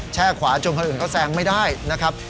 ขวาจนคนอื่นเขาแซงไม่ได้นะครับ